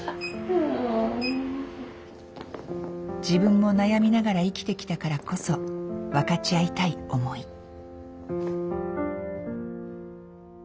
自分も悩みながら生きてきたからこそ分かち合いたい思い。